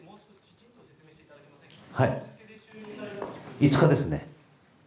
５日ですね。